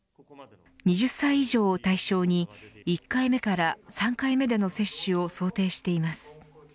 ２０歳以上を対象に１回目から３回目での接種を想定しています。